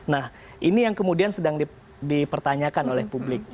nah ini yang kemudian sedang dipertanyakan oleh publik